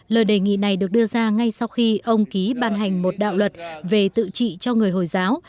lời đề nghị này được đưa ra ngay sau khi ông ký ban hành một đạo luật về tự trị cho người hồi giáo